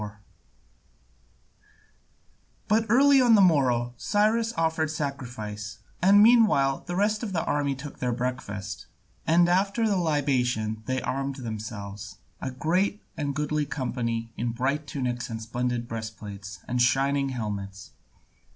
4] But early on the morrow Cyrus offered sacrifice, and meanwhile the rest of the army took their breakfast, and after the libation they armed themselves, a great and goodly company in bright tunics and splendid breastplates and shining helmets.